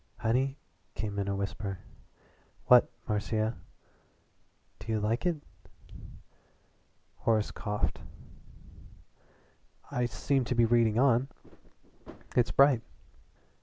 "Honey," came in a whisper. "What Marcia?" "Do you like it?" Horace coughed. "I seem to be reading on. It's bright."